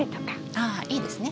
ああいいですね。